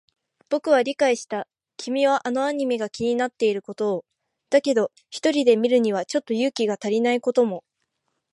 僕は理解した。君はあのアニメが気になっていることを。だけど、一人で見るにはちょっと勇気が足りないことも。